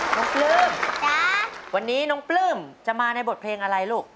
ปลื้มวันนี้น้องปลื้มจะมาในบทเพลงอะไรลูก